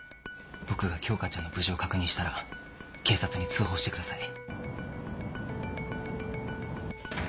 僕が京花ちゃんの無事を確認したら警察に通報してください